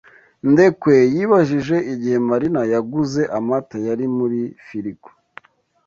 Ndekwe yibajije igihe Marina yaguze amata yari muri firigo.